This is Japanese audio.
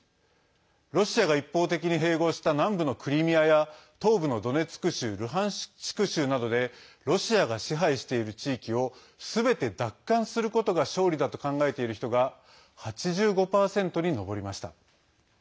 ロシアが一方的に併合した南部のクリミアや東部のドネツク州ルハンシク州などでロシアが支配している地域をすべて奪還することが勝利だと考えている人が８５％に上りました。